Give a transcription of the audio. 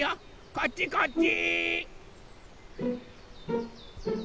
こっちこっち！